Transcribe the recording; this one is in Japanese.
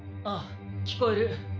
ああ聞こえる。